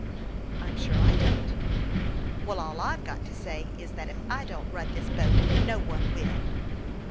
" I'm sure I don't." " All I've got to say is, that if I don't run this boat no one will."